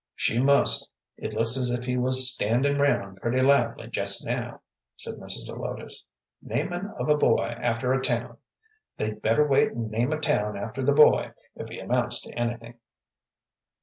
"She must; it looks as if he was standin' round pretty lively jest now," said Mrs. Zelotes. "Namin' of a boy after a town! They'd better wait and name a town after the boy if he amounts to anything."